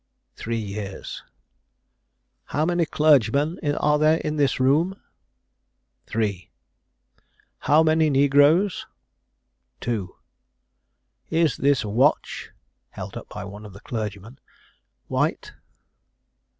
"Three years." "How many clergymen are there in this room?" "Three." "How many negroes?" "Two." "Is this watch (held up by one of the clergymen) white?"